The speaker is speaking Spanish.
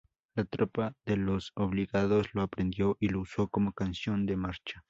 La tropa de los obligados lo aprendió y lo usó como canción de marcha.